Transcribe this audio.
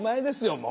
もう。